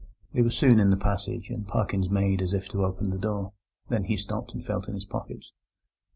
They were soon in the passage, and Parkins made as if to open the door. Then he stopped and felt in his pockets.